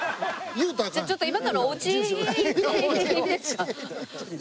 じゃあちょっと今からおうち行っていいですか？